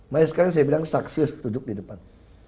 makanya sekarang saya bilang saksi harus duduk di depan